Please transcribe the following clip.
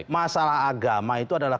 masalah agama itu adalah